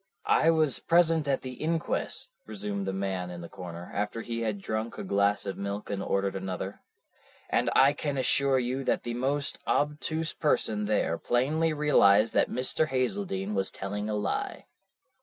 "I was present at the inquest," resumed the man in the corner, after he had drunk a glass of milk and ordered another, "and I can assure you that the most obtuse person there plainly realized that Mr. Hazeldene was telling a lie.